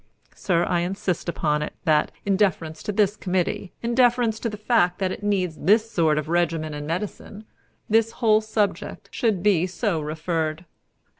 Sir, I insist upon it that, in deference to this committee, in deference to the fact that it needs this sort of regimen and medicine, this whole subject should be so referred."